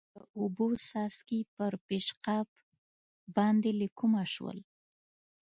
د اوبو څاڅکي پر پېشقاب باندې له کومه شول؟